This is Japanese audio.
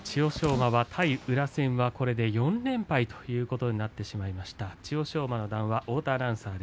馬は対宇良戦は４連敗ということになってしまいました。